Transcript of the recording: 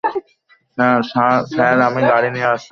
Sir, আমি গাড়ি নিয়ে আসছি।